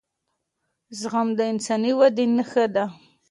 زغم د انساني ودې نښه ده